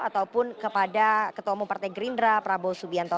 ataupun kepada ketomong partai gerindra prabowo subianto